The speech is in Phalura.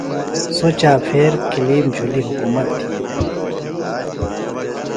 سوۡ چاپھیر قِلیم جُھلیۡ حُکومت تھی دےۡ